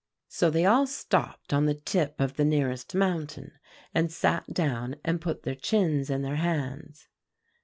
"So they all stopped on the tip of the nearest mountain, and sat down and put their chins in their hands.